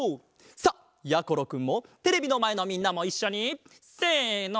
さあやころくんもテレビのまえのみんなもいっしょにせの。